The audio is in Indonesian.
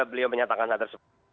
beliau menyatakan saat tersebut